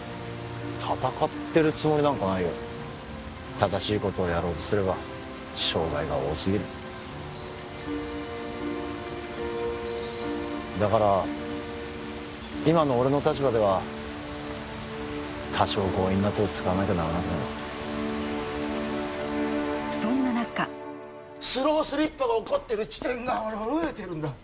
戦ってるつもりなんかないよ正しいことをやろうとすれば障害が多すぎるだから今の俺の立場では多少強引な手を使わなきゃならなくなるそんな中スロースリップが起こってる地点がほら増えてるんだ